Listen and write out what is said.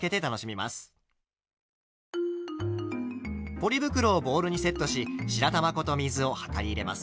ポリ袋をボウルにセットし白玉粉と水を量り入れます。